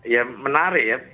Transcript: ya menarik ya